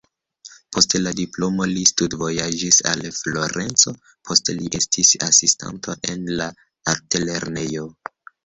Post la diplomo li studvojaĝis al Florenco, poste li estis asistanto en la altlernejo.